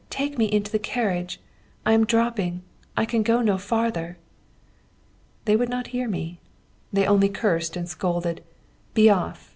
take me into the carriage; I am dropping. I can go no farther.' They would not hear me. They only cursed and scolded: 'Be off!